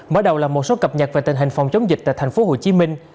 mở đầu là một số cập nhật về tình hình phòng chống dịch tại tp hcm